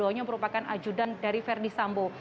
duanya merupakan ajudan dari verdi sambo